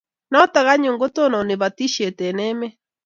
Notok anyun ko tononi batishet eng' emet